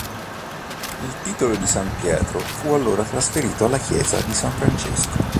Il titolo di San Pietro fu allora trasferito alla chiesa di San Francesco.